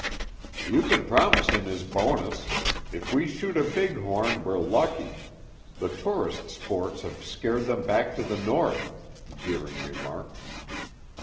"You can promise him his bonus. If we shoot a big horn, we're lucky; the tourist sports have scared them back to the North," Deering remarked.